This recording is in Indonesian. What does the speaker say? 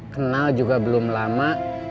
kenal juga belum lama